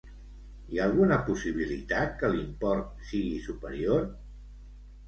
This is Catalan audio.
Hi ha alguna possibilitat que l'import sigui superior?